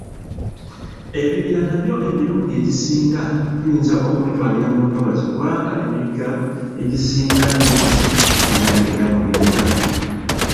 Ebibira nabyo emirundi egisinga tuyinza okubitwalira mu ntobazi kubanga emigga egisinga n'enzizzi bitandiikira mu bibira